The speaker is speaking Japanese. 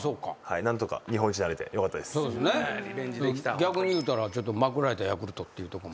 逆に言うたらまくられたヤクルトっていうとこも。